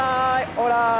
オーライ！